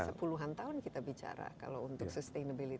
puluhan tahun kita bicara kalau untuk sustainability